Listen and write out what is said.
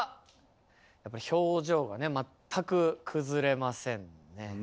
やっぱり表情がね全く崩れませんね。